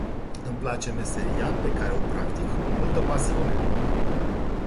Îmi place meseria pe care o practic cu multă pasiune.